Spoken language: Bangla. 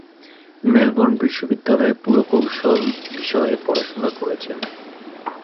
মেলবোর্ন বিশ্ববিদ্যালয়ে পুরকৌশল বিষয়ে পড়াশুনো করেছেন।